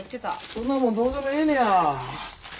そんなもんどうでもええねや。